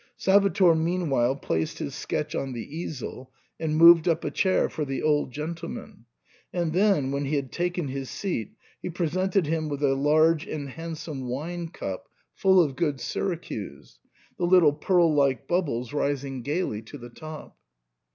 Salvator meanwhile placed his sketch on the easel and moved up a chair for the old gentleman, and then, when he had taken his seat, he presented him with a large and handsome wine cup full of good Syracuse — the little pearl like bubbles ris ing gaily to the top.